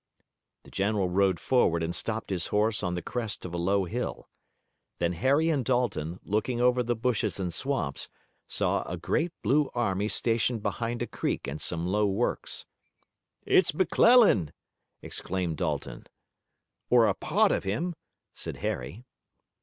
The general rode forward and stopped his horse on the crest of a low hill. Then Harry and Dalton, looking over the bushes and swamps, saw a great blue army stationed behind a creek and some low works. "It's McClellan!" exclaimed Dalton. "Or a part of him," said Harry.